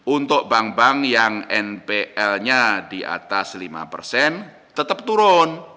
untuk bank bank yang npl nya di atas lima persen tetap turun